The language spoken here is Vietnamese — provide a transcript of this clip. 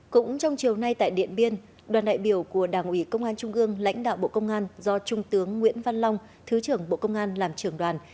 cũng trong chiều nay tại điện biên đoàn đại biểu của đảng ủy công an trung ương lãnh đạo bộ công an do trung tướng nguyễn văn long thứ trưởng bộ công an làm trưởng đoàn